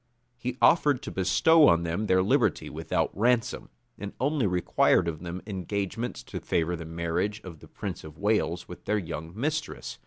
He offered to bestow on them their liberty without ransom; and only required of them engagements to favor the marriage of the prince of Wales with their young mistress.